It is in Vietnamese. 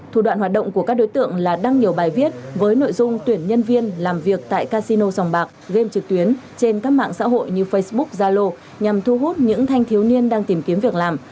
thủ đoạn hoạt động của các đối tượng là đăng nhiều bài viết với nội dung tuyển nhân viên làm việc tại casino dòng bạc game trực tuyến trên các mạng xã hội như facebook zalo nhằm thu hút những thanh thiếu niên đang tìm kiếm việc làm